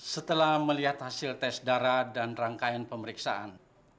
setelah melihat hasil tes darah dan rangkaian pemeriksaan